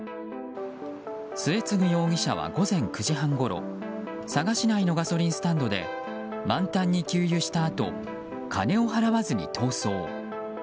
末次容疑者は午前９時半ごろ佐賀市内のガソリンスタンドで満タンに給油したあと金を払わずに逃走。